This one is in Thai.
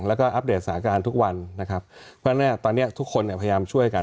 แล้วก็อัปเดตสถานการณ์ทุกวันนะครับเพราะฉะนั้นตอนนี้ทุกคนเนี่ยพยายามช่วยกัน